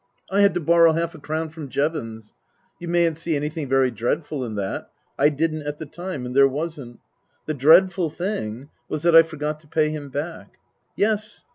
I had to borrow half a crown from Jevons. You mayn't see anything very dreadful in that. I didn't at the time, and there wasn't. The dreadful thing was that I forgot to pay him back. Yes.